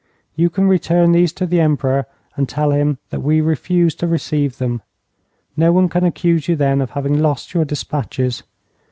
You can return these to the Emperor, and tell him that we refused to receive them. No one can accuse you then of having lost your despatches.